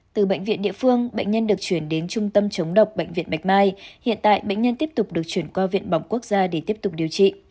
từ bệnh viện địa phương bệnh nhân được chuyển đến trung tâm chống độc bệnh viện bạch mai hiện tại bệnh nhân tiếp tục được chuyển qua viện bỏng quốc gia để tiếp tục điều trị